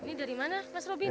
ini mas robin ya